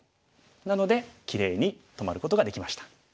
なのできれいに止まることができました。